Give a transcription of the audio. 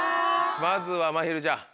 まずはまひるちゃん。